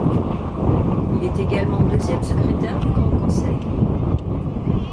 Il est également deuxième secrétaire du Grand Conseil.